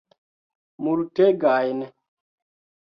Multegajn!